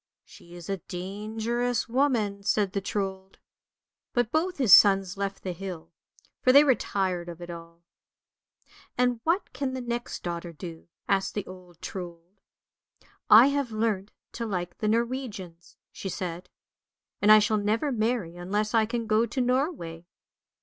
" She is a dangerous woman! " said the Trold, but both his sons left the hill, for they were tired of it all. " And what can the next daughter do? " asked the old Trold. " I have learnt to like the Norwegians," she said, " and I shall never marry unless I can go to Norway!